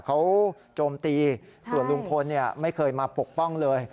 เขาโจมตีส่วนลุงพลไม่เคยมาปกป้องเลย